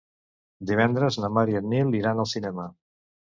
Divendres na Mar i en Nil iran al cinema.